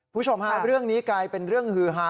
คุณผู้ชมฮะเรื่องนี้กลายเป็นเรื่องฮือฮา